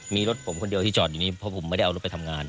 มีรถผมคนเดียวที่จอดอยู่นี้เพราะผมไม่ได้เอารถไปทำงาน